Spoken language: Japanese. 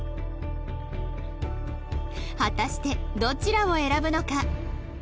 果たしてどちらを選ぶのか？